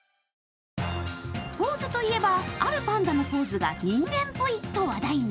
ポーズといえば、あるパンダのポーズが人間ぽいと話題に。